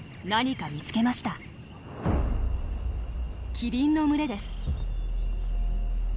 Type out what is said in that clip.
キリンの群れです。